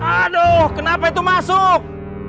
aduh kenapa itu masuk